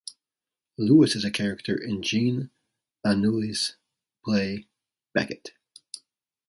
Louis is a character in Jean Anouilh's play "Becket".